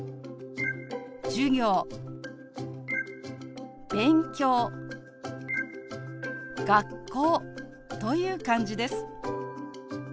「授業」「勉強」「学校」という感じです。